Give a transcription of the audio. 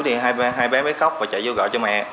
thì hai bé mới khóc và chạy vô gọi cho mẹ